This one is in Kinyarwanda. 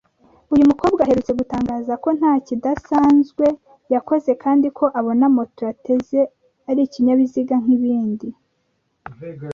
uyu mukobwa aherutse gutangaza ko ntakidasanzwe yakoze kandi ko abona moto yateze ari ikinyabiziga nk’ibindi